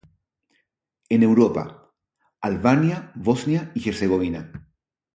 En Europa: Albania, Bosnia y Herzegovina.